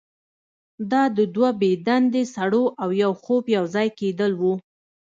دا د دوه بې دندې سړو او یو خوب یوځای کیدل وو